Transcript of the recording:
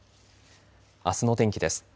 あすの天気です。